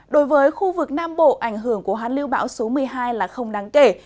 đối với khu vực nam bộ ảnh hưởng của hán lưu bão số một mươi hai là không đáng kể